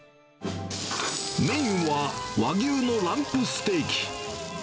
メインは和牛のランプステーキ。